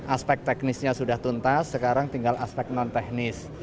aspek teknisnya sudah tuntas sekarang tinggal aspek non teknis